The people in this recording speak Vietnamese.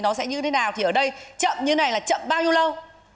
nếu mà thu thì nó sẽ như thế nào thì ở đây chậm như thế này là chậm bao nhiêu lâu